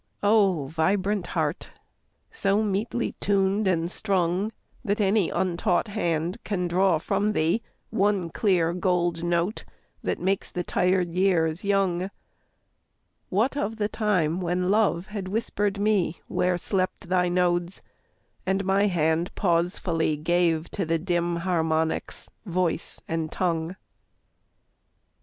O vibrant heart! so metely tuned and strung That any untaught hand can draw from thee One clear gold note that makes the tired years young What of the time when Love had whispered me Where slept thy nodes, and my hand pausefully Gave to the dim harmonics voice and tongue?